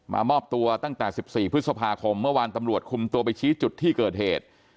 มอบตัวตั้งแต่๑๔พฤษภาคมเมื่อวานตำรวจคุมตัวไปชี้จุดที่เกิดเหตุ